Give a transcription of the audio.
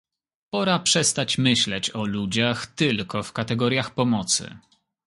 Pora przestać myśleć o ludziach tylko w kategoriach pomocy